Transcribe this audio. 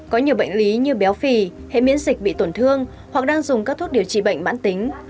có nhiều bệnh lý như béo phì hệ hệ miễn dịch bị tổn thương hoặc đang dùng các thuốc điều trị bệnh mãn tính